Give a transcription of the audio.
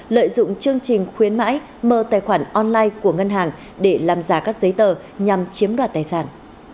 lợi dụng chương trình khuyến mãi mở tài khoản online của ngân hàng để làm giả các giấy tờ nhằm chiếm đoạt tài sản